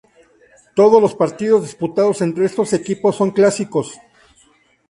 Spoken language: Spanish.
Todos los partidos disputados entre estos equipos son clásicos.